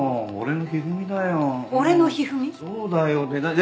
そうだよ。